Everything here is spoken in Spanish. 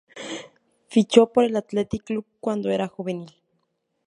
Fichó por el Athletic Club cuando era juvenil.